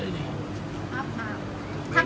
ครับครับ